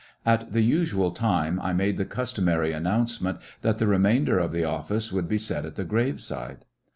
At the usual time I made the customary announcement that the remainder of the office would be said at the graveside.